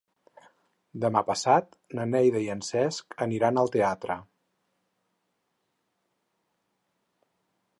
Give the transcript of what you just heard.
Demà passat na Neida i en Cesc aniran al teatre.